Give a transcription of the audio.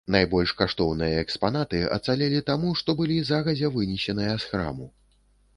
Найбольш каштоўныя экспанаты ацалелі таму, што былі загадзя вынесеныя з храму.